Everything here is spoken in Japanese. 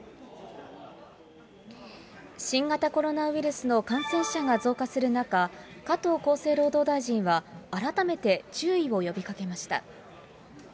新型コロナウイルスの感染者が増加する中、加藤厚生労働大臣は、改めて注意を呼びかけました。